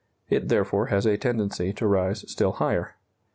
It therefore has a tendency to rise still higher.